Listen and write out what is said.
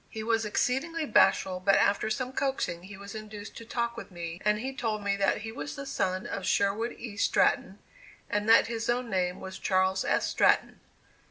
He was exceedingly bashful, but after some coaxing he was induced to talk with me, and he told me that he was the son of Sherwood E. Stratton, and that his own name was Charles S. Stratton.